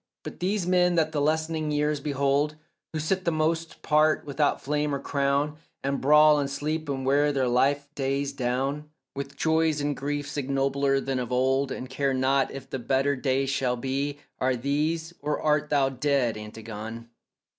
But these men that the lessening years behold, Who sit the most part without flame or crown, And brawl and sleep and wear their life days down With joys and griefs ignobler than of old, And care not if the better day shall be— Are these or art thou dead, Antigone?